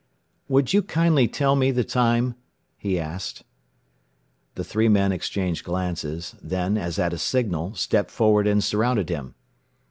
"Would you kindly tell me the time?" he asked. The three men exchanged glances, then, as at a signal, stepped forward and surrounded him.